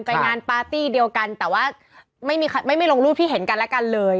งานปาร์ตี้เดียวกันแต่ว่าไม่ลงรูปที่เห็นกันและกันเลย